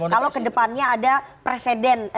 kalau ke depannya ada presiden